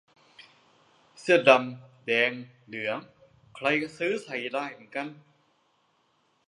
เสื้อดำ แดง เหลือง ใครก็ซื้อใส่ได้เหมือนกัน